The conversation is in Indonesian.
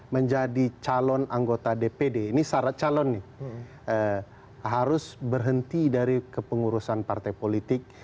menjadi calon anggota dpd ini syarat calon nih harus berhenti dari kepengurusan partai politik